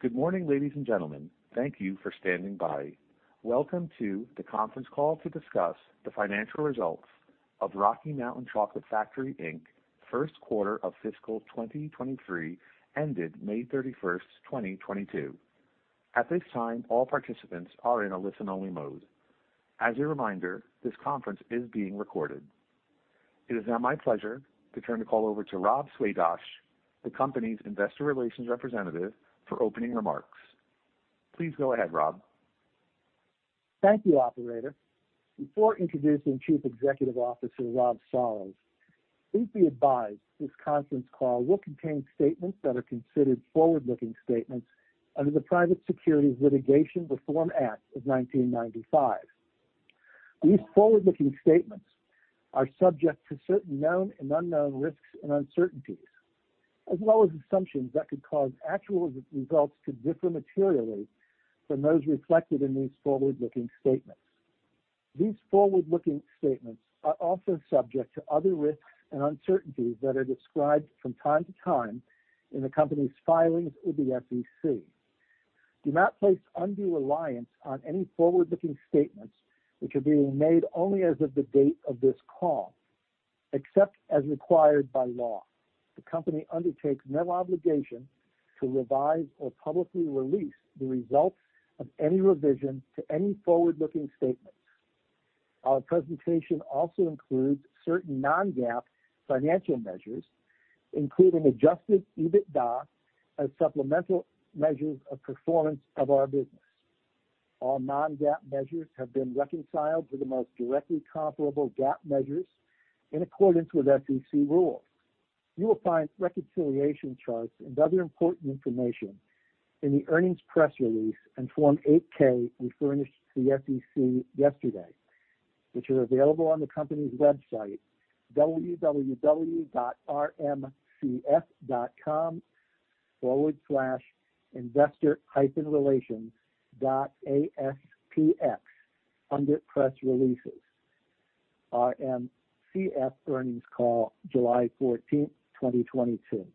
Good morning, ladies and gentlemen. Thank you for standing by. Welcome to the conference call to discuss the financial results of Rocky Mountain Chocolate Factory, Inc. first quarter of fiscal 2023 ended May 31, 2022. At this time, all participants are in a listen-only mode. As a reminder, this conference is being recorded. It is now my pleasure to turn the call over to Rob Swadosh, the company's investor relations representative, for opening remarks. Please go ahead, Rob. Thank you, operator. Before introducing Chief Executive Officer Rob Sarlls, please be advised this conference call will contain statements that are considered forward-looking statements under the Private Securities Litigation Reform Act of 1995. These forward-looking statements are subject to certain known and unknown risks and uncertainties, as well as assumptions that could cause actual results to differ materially from those reflected in these forward-looking statements. These forward-looking statements are also subject to other risks and uncertainties that are described from time to time in the company's filings with the SEC. Do not place undue reliance on any forward-looking statements which are being made only as of the date of this call. Except as required by law, the company undertakes no obligation to revise or publicly release the results of any revision to any forward-looking statement. Our presentation also includes certain non-GAAP financial measures, including Adjusted EBITDA, as supplemental measures of performance of our business. All non-GAAP measures have been reconciled to the most directly comparable GAAP measures in accordance with SEC rules. You will find reconciliation charts and other important information in the earnings press release and Form 8-K we furnished to the SEC yesterday, which are available on the company's website, www.rmcf.com/investor-relations.aspx under Press Releases: RMCF Earnings Call July 14, 2022,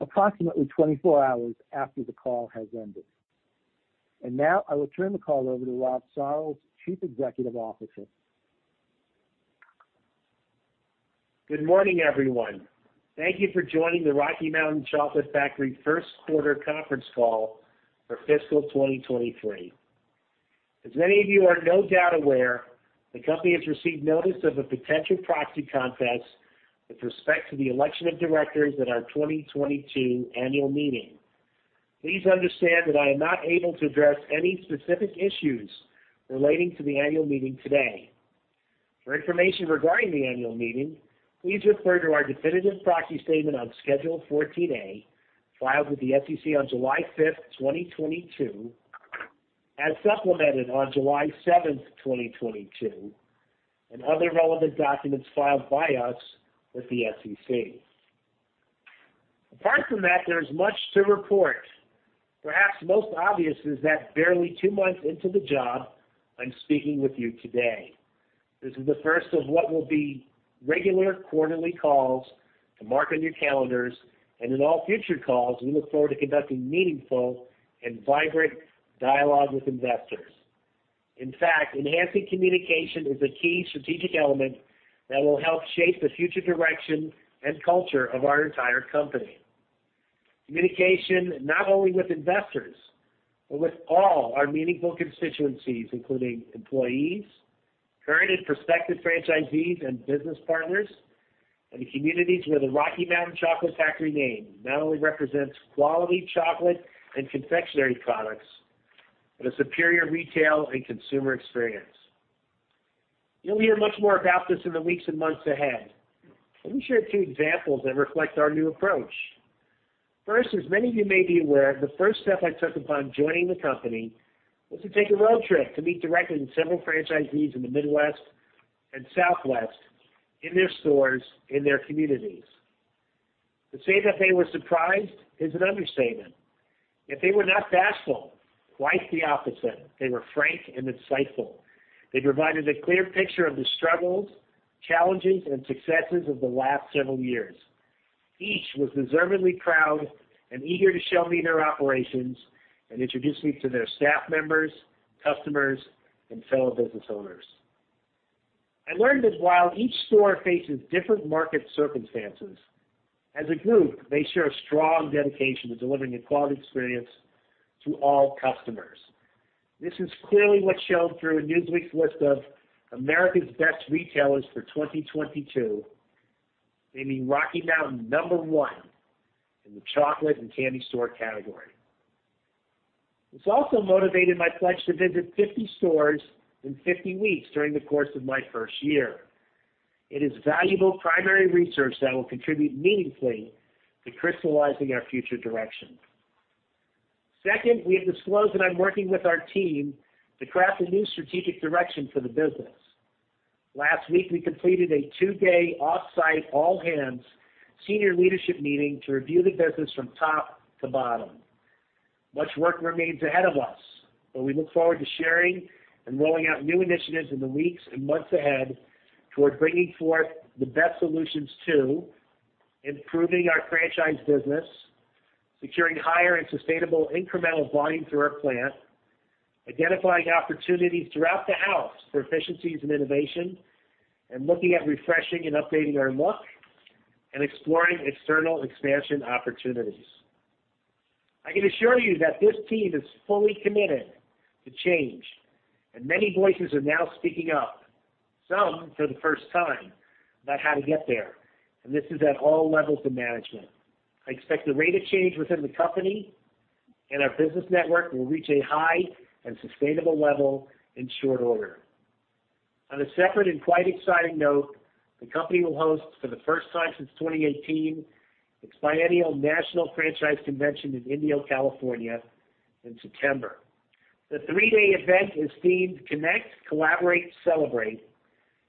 approximately 24 hours after the call has ended. Now I will turn the call over to Rob Sarlls, Chief Executive Officer. Good morning, everyone. Thank you for joining the Rocky Mountain Chocolate Factory First Quarter Conference Call for Fiscal 2023. As many of you are no doubt aware, the company has received notice of a potential proxy contest with respect to the election of directors at our 2022 annual meeting. Please understand that I am not able to address any specific issues relating to the annual meeting today. For information regarding the annual meeting, please refer to our definitive proxy statement on Schedule 14A filed with the SEC on July 5, 2022, as supplemented on July 7, 2022, and other relevant documents filed by us with the SEC. Apart from that, there's much to report. Perhaps most obvious is that barely two months into the job, I'm speaking with you today. This is the first of what will be regular quarterly calls to mark on your calendars. In all future calls, we look forward to conducting meaningful and vibrant dialogue with investors. In fact, enhancing communication is a key strategic element that will help shape the future direction and culture of our entire company. Communication not only with investors, but with all our meaningful constituencies, including employees, current and prospective franchisees and business partners, and the communities where the Rocky Mountain Chocolate Factory name not only represents quality chocolate and confectionery products, but a superior retail and consumer experience. You'll hear much more about this in the weeks and months ahead. Let me share two examples that reflect our new approach. First, as many of you may be aware, the first step I took upon joining the company was to take a road trip to meet directly with several franchisees in the Midwest and Southwest in their stores, in their communities. To say that they were surprised is an understatement. Yet they were not bashful. Quite the opposite. They were frank and insightful. They provided a clear picture of the struggles, challenges, and successes of the last several years. Each was deservingly proud and eager to show me their operations and introduce me to their staff members, customers, and fellow business owners. I learned that while each store faces different market circumstances, as a group, they share a strong dedication to delivering a quality experience to all customers. This is clearly what showed through in Newsweek's list of America's Best Retailers for 2022, naming Rocky Mountain number one in the chocolate and candy store category. It's also motivated my pledge to visit 50 stores in 50 weeks during the course of my first year. It is valuable primary research that will contribute meaningfully to crystallizing our future direction. Second, we have disclosed that I'm working with our team to craft a new strategic direction for the business. Last week, we completed a two-day off-site all-hands senior leadership meeting to review the business from top to bottom. Much work remains ahead of us, but we look forward to sharing and rolling out new initiatives in the weeks and months ahead. Toward bringing forth the best solutions to improving our franchise business, securing higher and sustainable incremental volume through our plant, identifying opportunities throughout the house for efficiencies and innovation, and looking at refreshing and updating our look, and exploring external expansion opportunities. I can assure you that this team is fully committed to change, and many voices are now speaking up, some for the first time, about how to get there, and this is at all levels of management. I expect the rate of change within the company and our business network will reach a high and sustainable level in short order. On a separate and quite exciting note, the company will host for the first time since 2018, its biennial national franchise convention in Indio, California in September. The three-day event is themed Connect, Collaborate, Celebrate,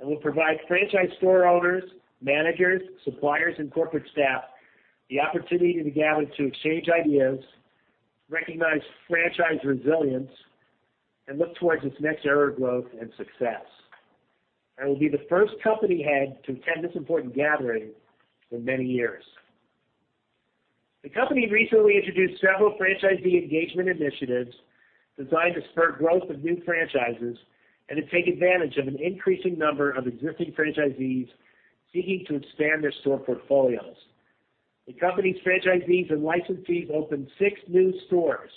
and will provide franchise store owners, managers, suppliers, and corporate staff the opportunity to gather to exchange ideas, recognize franchise resilience, and look towards its next era of growth and success. I will be the first company head to attend this important gathering in many years. The company recently introduced several franchisee engagement initiatives designed to spur growth of new franchises and to take advantage of an increasing number of existing franchisees seeking to expand their store portfolios. The company's franchisees and licensees opened six new stores,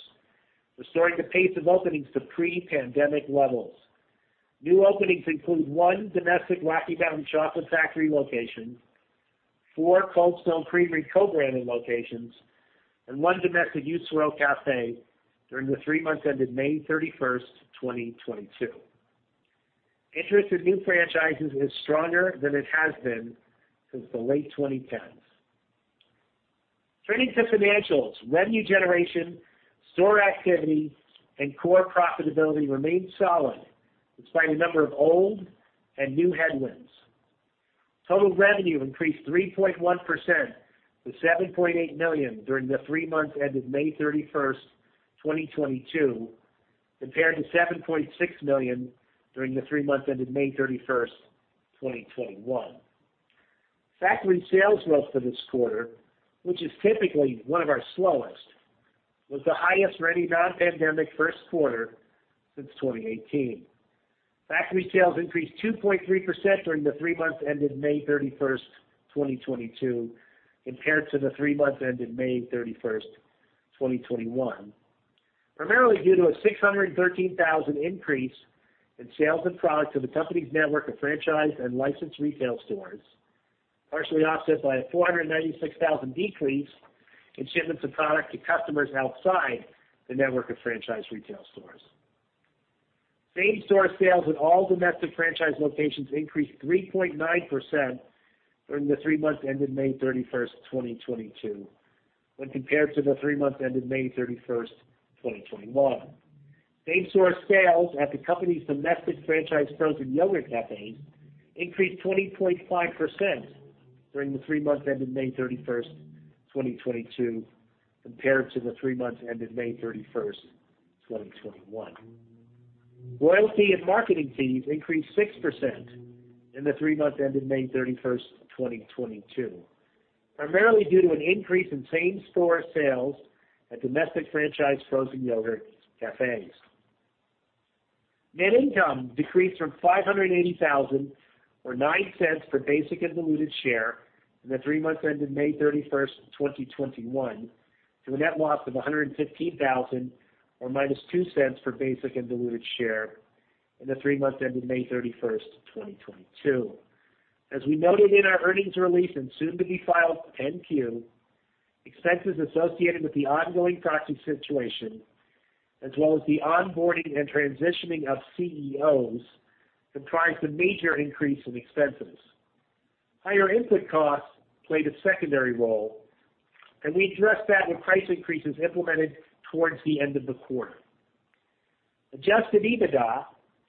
restoring the pace of openings to pre-pandemic levels. New openings include one domestic Rocky Mountain Chocolate Factory location, four Cold Stone Creamery co-branded locations, and one domestic U-Swirl Café during the three months ended May 31, 2022. Interest in new franchises is stronger than it has been since the late 2010s. Turning to financials, revenue generation, store activity, and core profitability remained solid despite a number of old and new headwinds. Total revenue increased 3.1% to $7.8 million during the three months ended May 31, 2022, compared to $7.6 million during the three months ended May 31, 2021. Factory sales growth for this quarter, which is typically one of our slowest, was the highest in any non-pandemic first quarter since 2018. Factory sales increased 2.3% during the three months ended May 31, 2022, compared to the three months ended May 31, 2021, primarily due to a $613,000 increase in sales of product to the company's network of franchise and licensed retail stores, partially offset by a $496,000 decrease in shipments of product to customers outside the network of franchise retail stores. Same-store sales at all domestic franchise locations increased 3.9% during the three months ended May 31, 2022, when compared to the three months ended May 31, 2021. Same-store sales at the company's domestic franchise Frozen Yogurt Cafes increased 20.5% during the three months ended May 31, 2022, compared to the three months ended May 31, 2021. Royalty and marketing fees increased 6% in the three months ended May 31, 2022, primarily due to an increase in same-store sales at domestic franchise Frozen Yogurt Cafes. Net income decreased from $580,000 or $0.09 per basic and diluted share in the three months ended May 31, 2021 to a net loss of $115,000 or -$0.02 per basic and diluted share in the three months ended May 31, 2022. As we noted in our earnings release and soon to be filed 10-Q, expenses associated with the ongoing proxy situation, as well as the onboarding and transitioning of CEOs, comprised a major increase in expenses. Higher input costs played a secondary role, and we addressed that with price increases implemented towards the end of the quarter. Adjusted EBITDA,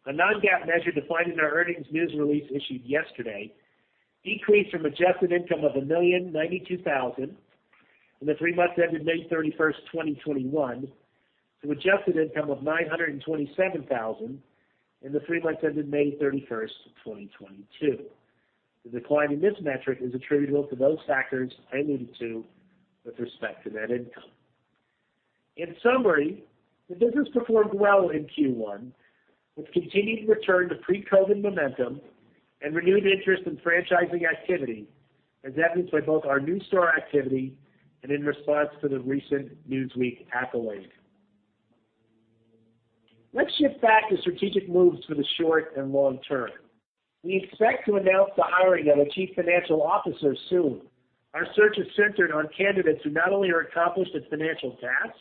a non-GAAP measure defined in our earnings news release issued yesterday, decreased from adjusted income of $1,092,000 in the three months ended May 31, 2021, to adjusted income of $927,000 in the three months ended May 31, 2022. The decline in this metric is attributable to those factors I alluded to with respect to net income. In summary, the business performed well in Q1 with continued return to pre-COVID momentum and renewed interest in franchising activity, as evidenced by both our new store activity and in response to the recent Newsweek accolade. Let's shift back to strategic moves for the short and long term. We expect to announce the hiring of a chief financial officer soon. Our search is centered on candidates who not only are accomplished at financial tasks,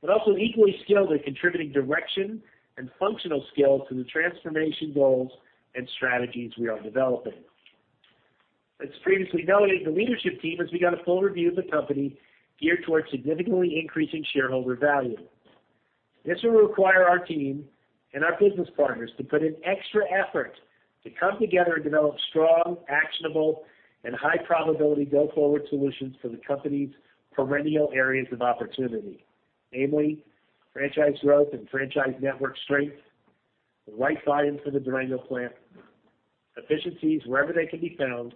but also equally skilled at contributing direction and functional skills to the transformation goals and strategies we are developing. As previously noted, the leadership team has begun a full review of the company geared towards significantly increasing shareholder value. This will require our team and our business partners to put in extra effort to come together and develop strong, actionable, and high probability go-forward solutions for the company's perennial areas of opportunity, namely franchise growth and franchise network strength, the right volume for the Durango plant, efficiencies wherever they can be found,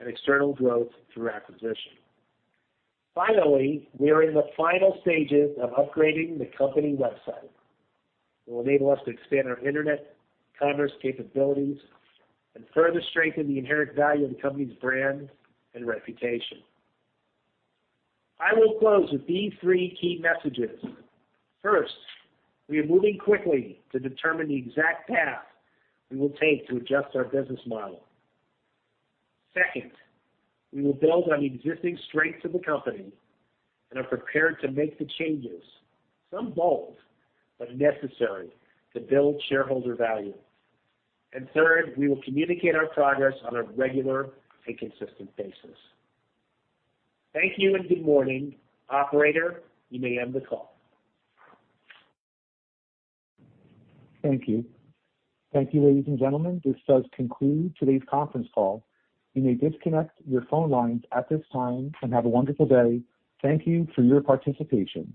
and external growth through acquisition. Finally, we are in the final stages of upgrading the company website. It will enable us to expand our internet commerce capabilities and further strengthen the inherent value of the company's brand and reputation. I will close with these three key messages. First, we are moving quickly to determine the exact path we will take to adjust our business model. Second, we will build on existing strengths of the company and are prepared to make the changes, some bold, but necessary to build shareholder value. Third, we will communicate our progress on a regular and consistent basis. Thank you and good morning. Operator, you may end the call. Thank you. Thank you, ladies and gentlemen. This does conclude today's conference call. You may disconnect your phone lines at this time and have a wonderful day. Thank you for your participation.